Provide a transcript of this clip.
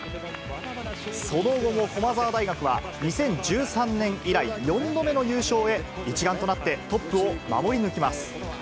その後も駒澤大学は、２０１３年以来、４度目の優勝へ、一丸となってトップを守り抜きます。